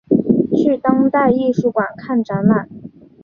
去当代艺术馆看展览